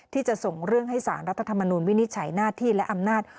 ที่จะส่งเรื่องให้สารรัฐธรรมนูลวินิจฉัยหน้าที่และอำนาจ